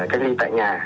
cách ly tại nhà